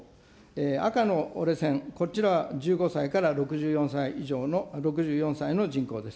赤の折れ線、こちら、１５歳から６４歳以上の、６４歳の人口です。